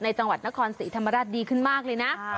จังหวัดนครศรีธรรมราชดีขึ้นมากเลยนะ